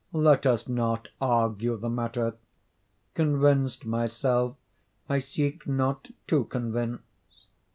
—let us not argue the matter. Convinced myself, I seek not to convince.